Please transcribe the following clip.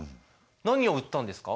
何を売ったんですか？